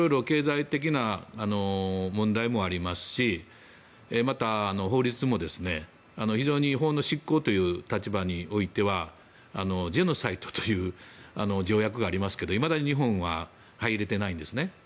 経済的な問題もありますしまた法律も、非常に法の執行という立場においてはジェノサイドという条約がありますけどいまだに日本は入れていないんですね。